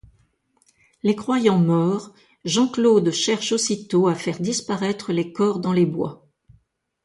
Les croyant morts, Jean-Claude cherche aussitôt à faire disparaître les corps dans les bois.